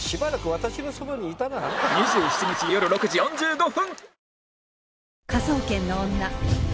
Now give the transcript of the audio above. ２７日よる６時４５分